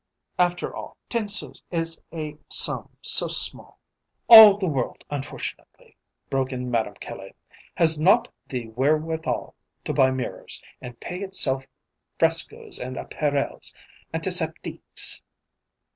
After all, ten sous is a sum so small" "All the world, unfortunately," broke in Madame Caille, "has not the wherewithal to buy mirrors, and pay itself frescoes and appareils antiseptiques!